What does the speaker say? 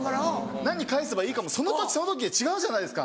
何返せばいいかもその時その時で違うじゃないですか。